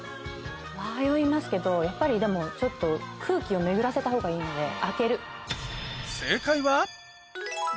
迷いますけどやっぱりでもちょっと空気を巡らせた方がいいので開ける。